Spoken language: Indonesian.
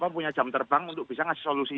punya jam terbang untuk bisa ngasih solusi